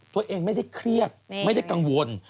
ตัวเองไม่ได้เครียดไม่ได้กังวล